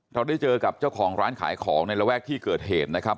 เราได้เจอกับเจ้าของร้านขายของในระแวกที่เกิดเหตุนะครับ